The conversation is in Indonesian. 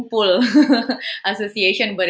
itu bukan asosiasi kumpul